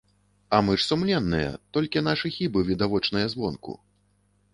А мы ж сумленныя, толькі нашы хібы відавочныя звонку.